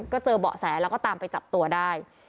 ก็เจอเบาะแสแล้วก็ตามไปจับตัวได้